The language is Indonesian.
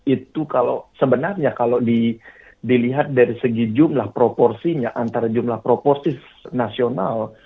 itu kalau sebenarnya kalau dilihat dari segi jumlah proporsinya antara jumlah proposis nasional